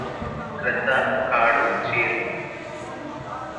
గ్రద్ద కాడు చేరు